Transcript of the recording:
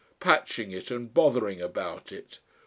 Patching it and bothering about it.